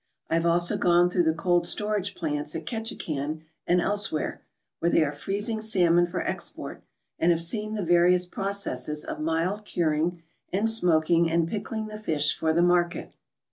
I have also gone through the cold storage plants at Ketchikan and elsewhere, where they are freezing salmon for export, and have seen the various processes of mild curing and smoking and pickling the fish for the market.